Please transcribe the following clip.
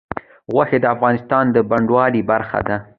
غوښې د افغانستان د بڼوالۍ برخه ده.